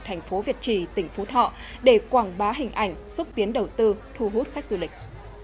thành phố việt trì tỉnh phú thọ để quảng bá hình ảnh xúc tiến đầu tư thu hút khách du lịch